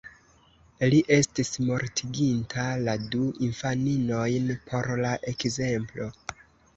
Li estis mortiginta la du infaninojn por la ekzemplo.